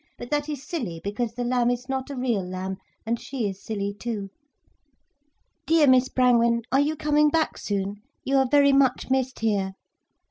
But that is silly, because the lamb is not a real lamb, and she is silly too. "Dear Miss Brangwen, are you coming back soon, you are very much missed here.